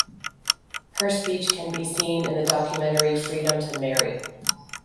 Her speech can be seen in the documentary Freedom to Marry.